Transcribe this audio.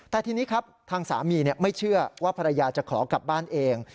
แต่ทีนี้ครับทางสามีไม่เชื่อว่าภรรยาจะขอกลับบ้านเอง